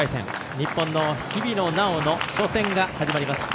日本の日比野菜緒の初戦が始まります。